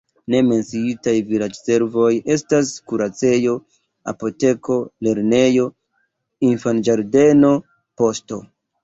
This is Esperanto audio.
Ne menciitaj vilaĝservoj estas kuracejo, apoteko, lernejo, infanĝardeno, poŝto.